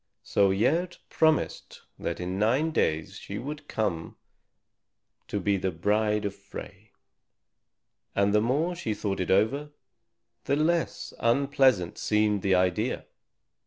So Gerd promised that in nine days she would come to be the bride of Frey. And the more she thought it over, the less unpleasant seemed the idea.